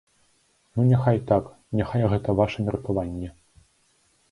Ну, няхай так, няхай гэта ваша меркаванне.